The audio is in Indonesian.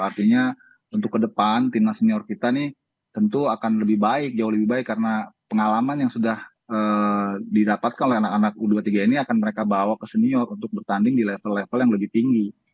artinya untuk ke depan timnas senior kita ini tentu akan lebih baik jauh lebih baik karena pengalaman yang sudah didapatkan oleh anak anak u dua puluh tiga ini akan mereka bawa ke senior untuk bertanding di level level yang lebih tinggi